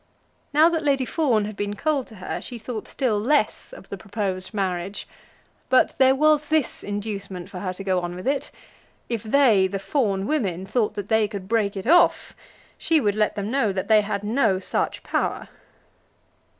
Now that Lady Fawn had been cold to her, she thought still less of the proposed marriage. But there was this inducement for her to go on with it. If they, the Fawn women, thought that they could break it off, she would let them know that they had no such power.